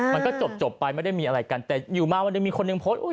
มันก็จบไปไม่ได้มีอะไรกันแต่อยู่มาวันหนึ่งมีคนหนึ่งโพสต์อุ้ย